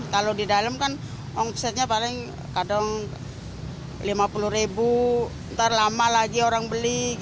kalau di dalam kan omsetnya paling kadang rp lima puluh ribu ntar lama lagi orang beli